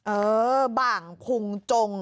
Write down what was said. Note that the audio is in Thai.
เออบ่างพุงจง